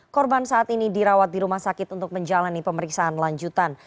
korban saat ini dirawat di rumah sakit untuk menjalani pemeriksaan lanjutan